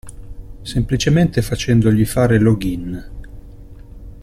Semplicemente facendogli fare login.